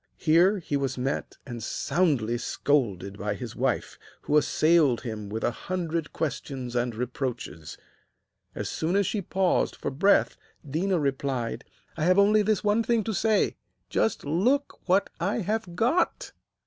Here he was met and soundly scolded by his wife, who assailed him with a hundred questions and reproaches. As soon as she paused for breath, Déna replied: 'I have only this one thing to say, just look what I have got!'